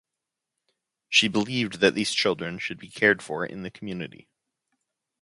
She believed that these children should be cared for in the community.